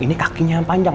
ini kakinya yang panjang